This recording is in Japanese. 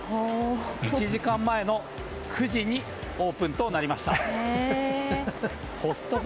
１時間前の９時にオープンとなりました。